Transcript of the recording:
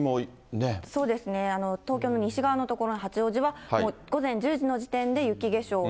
そうですね、東京の西側の所、八王子は午前１０時の時点で、雪化粧。